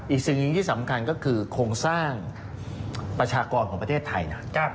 อีกสิ่งหนึ่งที่สำคัญก็คือโครงสร้างประชากรของประเทศไทยนะ